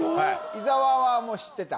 伊沢はもう知ってた？